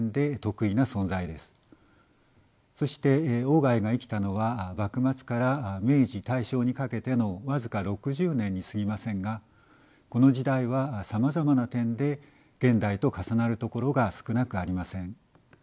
そして外が生きたのは幕末から明治大正にかけての僅か６０年にすぎませんがこの時代はさまざまな点で現代と重なるところが少なくありません。